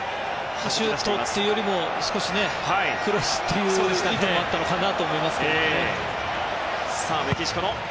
シュートというより少しクロスという意図もあったかなと思います。